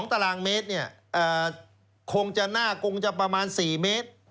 ๒๒ตารางเมตรคงจะน่ากงประมาณ๔เมตร